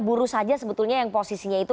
buruh saja sebetulnya yang posisinya itu